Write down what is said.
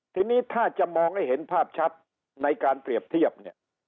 ทีนี้ถ้าจะมองให้เห็นภาพชัดในการเปรียบเทียบเนี่ย